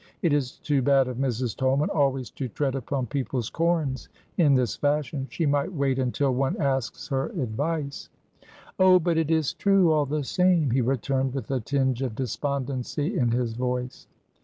It is too bad of Mrs. Tolman always to tread upon people's corns in this fashion. She might wait until one asks her advice." "Oh, but it is true, all the same," he returned, with a tinge of despondency in his voice.